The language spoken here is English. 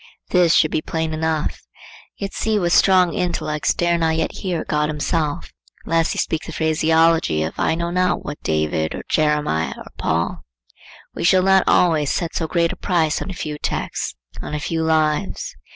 This should be plain enough. Yet see what strong intellects dare not yet hear God himself unless he speak the phraseology of I know not what David, or Jeremiah, or Paul. We shall not always set so great a price on a few texts, on a few lives.